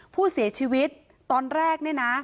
ผู้เสียชีวิตตอนแรกเนี่ยนะ